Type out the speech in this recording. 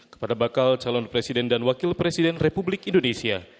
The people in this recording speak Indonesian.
kepada bakal calon presiden dan wakil presiden republik indonesia